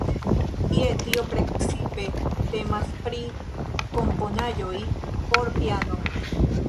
Je tio precipe temas pri komponaĵoj por piano.